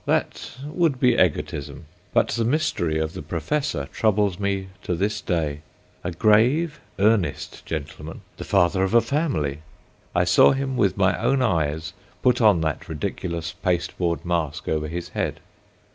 That would be egotism. But the mystery of the professor troubles me to this day. A grave, earnest gentleman, the father of a family, I saw him with my own eyes put that ridiculous pasteboard mask over his head.